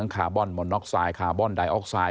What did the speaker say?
คาร์บอนมอนน็อกไซด์คาร์บอนไดออกไซด